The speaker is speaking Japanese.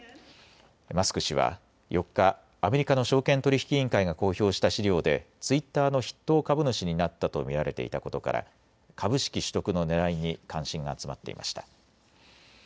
マスク氏は４日、アメリカの証券取引委員会が公表した資料でツイッターの筆頭株主になったと見られていたことから株式取得のねらいに関心が集まっていました。